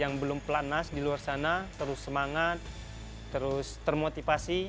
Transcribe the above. yang belum pelanas di luar sana terus semangat terus termotivasi